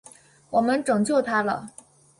我们拯救他了！